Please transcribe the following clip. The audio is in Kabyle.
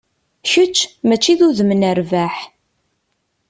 Kečč, mačči d udem n rrbeḥ.